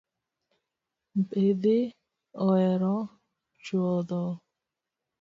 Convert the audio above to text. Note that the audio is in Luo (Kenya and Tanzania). Mbidhi oero chuodho .